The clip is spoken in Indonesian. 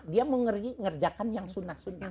dia mengerjakan yang sunnah sunnah